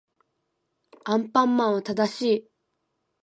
アンパンマンは正しい